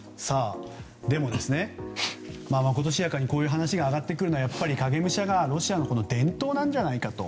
でも、まことしやかにこういう話が上がってくるのはやっぱり影武者がロシアの伝統なんじゃないかと。